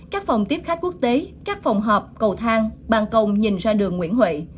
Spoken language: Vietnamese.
các phòng tiếp khách quốc tế các phòng họp cầu thang bàn công nhìn ra đường nguyễn huệ